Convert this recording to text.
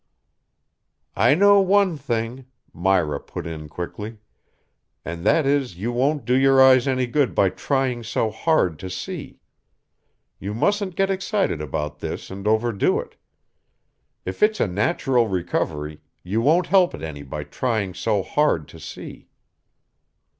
"I know one thing," Myra put in quickly. "And that is you won't do your eyes any good by trying so hard to see. You mustn't get excited about this and overdo it. If it's a natural recovery, you won't help it any by trying so hard to see."